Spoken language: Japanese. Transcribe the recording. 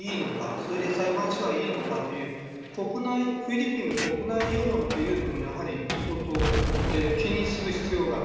それで裁判所はいいのかというフィリピンの国内世論というのもやはり相当気にする必要がある。